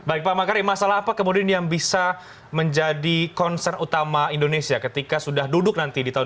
baik pak makarim masalah apa kemudian yang bisa menjadi concern utama indonesia ketika sudah duduk nanti di tahun dua ribu dua puluh